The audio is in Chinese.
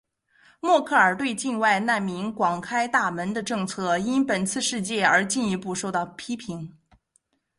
默克尔对境外难民广开大门的政策因本次事件而进一步受到批评。